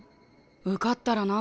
受かったらな。